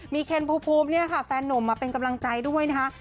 มีเคนภูมิแฟนหน่วงมาเป็นกำลังใจด้วยนะคะ